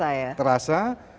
dan itu terasa ya